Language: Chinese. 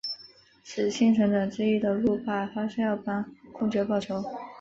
使幸存者之一的路霸发誓要帮公爵报仇。